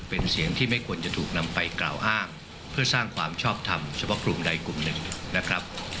เป็นเสียงที่ไม่ควรจะถูกนำไปกล่าวอ้างเพื่อสร้างความชอบทำเฉพาะกลุ่มใดกลุ่มหนึ่งนะครับ